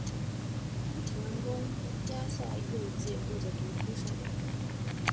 主人公鸭下佑介过着独居生活。